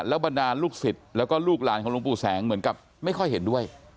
บรรดาลูกศิษย์แล้วก็ลูกหลานของหลวงปู่แสงเหมือนกับไม่ค่อยเห็นด้วย